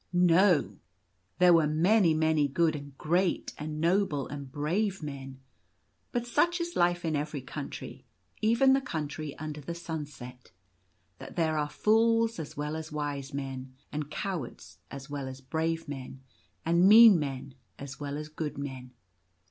No ! there were 20 Smg. many, many good, and great, and noble, and brave men ; but such is life in every country, even the Country Under the Sunset, that there are fools as well as wise men, and cowards as well as brave men, and mean men as well as good men.